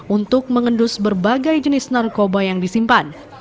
untuk mengendus berbagai jenis narkoba yang disimpan